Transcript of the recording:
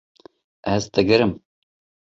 Ez digirim